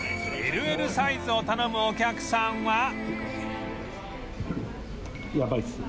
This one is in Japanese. ＬＬ サイズを頼むお客さんは